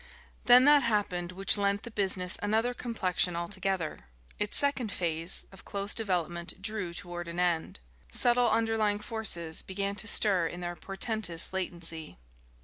Then that happened which lent the business another complexion altogether. Its second phase, of close development, drew toward an end. Subtle underlying forces began to stir in their portentous latency.